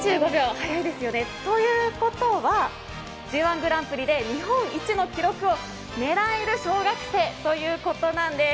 速いですよね。ということは、Ｚ−１グランプリで日本一の記録を狙える小学生ということなんです。